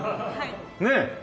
ねえ。